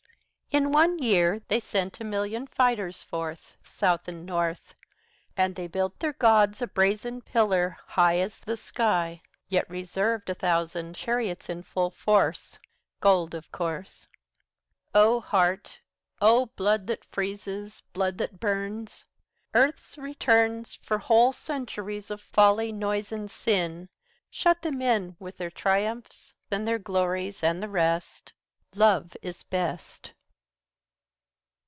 In one year they sent a million fighters forth South and North, And they built their gods a brazen pillar high 75 As the sky, Yet reserved a thousand chariots in full force Gold, of course. O heart! O blood that freezes, blood that burns! Earth's returns 80 For whole centuries of folly, noise and sin! Shut them in, With their triumphs and their glories and the rest! Love is best.